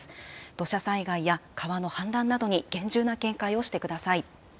土砂災害や川の氾濫などに厳重な警戒をしてください。